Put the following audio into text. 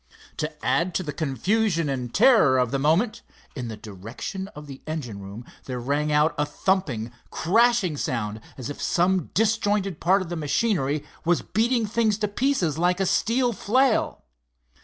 To add to the confusion and terror of the moment, in the direction of the engine room there rang out a thumping, crashing sound, as if some disjointed part of the machinery was beating things to pieces like a steel flail.